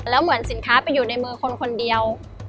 แล้วเหมือนสินค้าไปอยู่ในมือคนคนเดียว